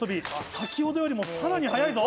先ほどよりもさらに早いぞ！